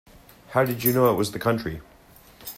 How did you know it was the country?